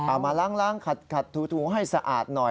เอามาล้างขัดถูให้สะอาดหน่อย